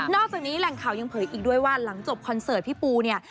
อกจากนี้แหล่งข่าวยังเผยอีกด้วยว่าหลังจบคอนเสิร์ตพี่ปูเนี่ย